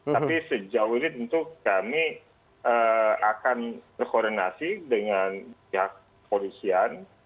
tapi sejauh ini tentu kami akan berkoordinasi dengan pihak polisian